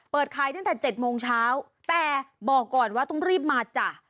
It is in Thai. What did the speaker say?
เปิดขายตั้งแต่๗โมงเช้าแต่บอกก่อนว่าต้องรีบมาจ้ะ